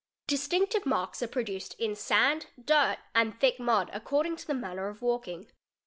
Distinctive marks are produced in sand, dirt, and thick mud ac ording to the manner of walking.